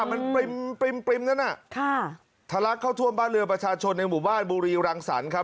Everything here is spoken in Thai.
มันปริมปริมปริมนั่นอ่ะค่ะทะลักเข้าท่วมบ้านเรือประชาชนในบุรีรังสรรค์ครับ